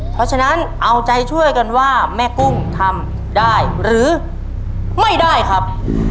เพราะฉะนั้นเอาใจช่วยกันว่าแม่กุ้งทำได้หรือไม่ได้ครับ